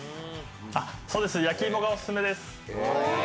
そうです、焼き芋がオススメです。